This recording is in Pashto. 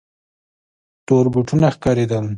تور بوټونه ښکارېدل.